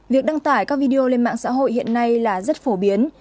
việc đăng tải các video lên mạng xã hội hiện nay là rất phổ biến